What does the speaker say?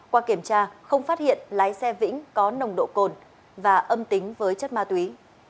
qua kiểm tra không phát hiện lái xe vĩnh có nồng độ cồn và âm tính với chất ma túy